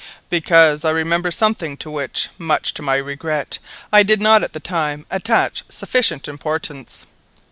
"Because I remember something to which, much to my regret, I did not at the time attach sufficient importance."